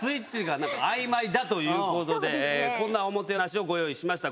ということでこんなおもてなしをご用意しました。